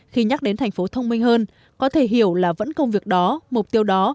khi nhắc đến thành phố thông minh hơn có thể hiểu là vẫn công việc đó mục tiêu đó